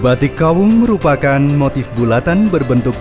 batik kawung merupakan motif bulatan berbentuk